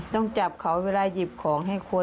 ต้องจับเขาเวลาหยิบของให้คน